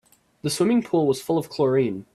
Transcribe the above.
The swimming pool was full of chlorine.